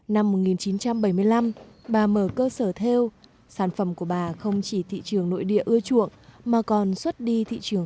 năm một nghìn chín trăm bảy mươi năm bà mở cơ sở theo sản phẩm của bà không chỉ thị trường nội địa ưa chuộng mà còn xuất đi thị trường